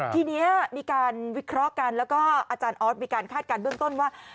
ทีนี้มีการวิเคราะห์กันแล้วก็อาจารย์ออสมีการคาดการณ์เบื้องต้นว่า